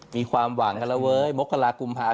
มีความหวังกันแล้วเว้ยมกรากุมภาพ